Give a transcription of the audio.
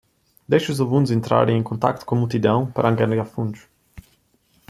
Deixe os alunos entrarem em contato com a multidão para angariar fundos